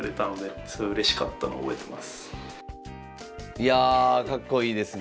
いやかっこいいですね。